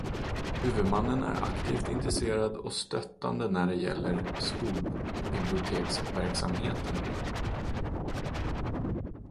Huvudmannen är aktivt intresserad och stöttande när det gäller skolbiblioteksverksamheten.